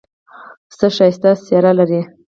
پسه ښایسته څېره لري.